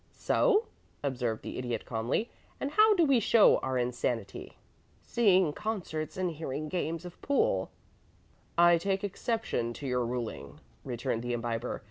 "So?" observed the Idiot, calmly. "And how do we show our insanity?" "Seeing concerts and hearing games of pool." "I take exception to your ruling," returned the Imbiber.